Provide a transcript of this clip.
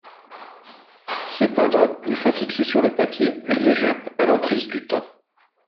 Cependant, une fois fixées sur le papier, elles échappent à l'emprise du temps.